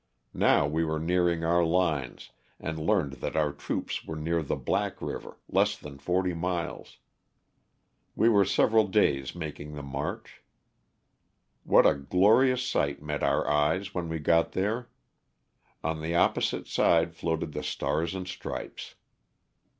Now we were nearing our lines and learned that our troops were near the Black river— less than forty miles. We were several days making the march. What a glorious sight met our eyes when we got there! On the opposite side floated the stars and stripes.